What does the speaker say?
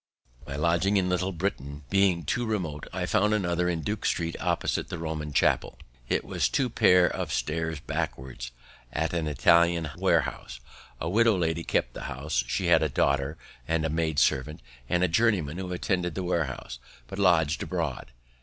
My lodging in Little Britain being too remote, I found another in Duke street, opposite to the Romish Chapel. It was two pair of stairs backwards, at an Italian warehouse. A widow lady kept the house; she had a daughter, and a maid servant, and a journeyman who attended the warehouse, but lodg'd abroad.